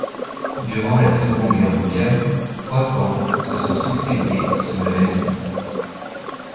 Durant la Seconde Guerre mondiale, trois camps se sont succédé sur le même site.